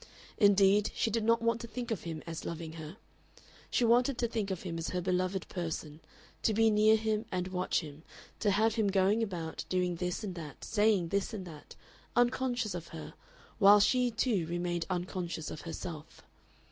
Indeed, she did not want to think of him as loving her. She wanted to think of him as her beloved person, to be near him and watch him, to have him going about, doing this and that, saying this and that, unconscious of her, while she too remained unconscious of herself.